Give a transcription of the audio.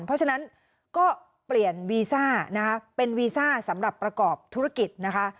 เพราะฉะนั้นก็เปลี่ยนวีซ่านะคะเป็นวีซ่าสำหรับประกอบธุรกิจนะคะ